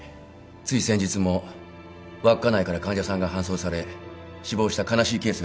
つい先日も稚内から患者さんが搬送され死亡した悲しいケースが。